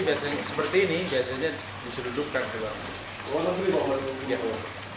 ya seperti ini biasanya diselundupkan ke batam